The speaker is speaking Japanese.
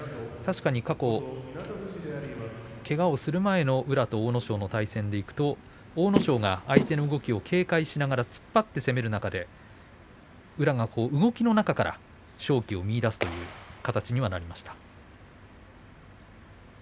過去けがをする前の宇良と阿武咲の対戦でいくと阿武咲が相手の動きを警戒しながら突っ張って攻める中で宇良が動きの中から勝機を見いだすという形になりました。